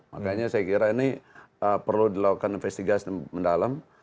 makanya saya kira ini perlu dilakukan investigasi mendalam